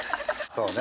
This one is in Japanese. そうね。